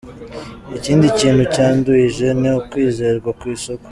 Ikindi kintu cyanduhije ni ukwizerwa ku isoko.